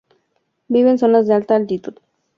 Vive en zonas de alta altitud.